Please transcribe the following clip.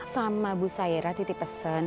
sama bu saira titi pesen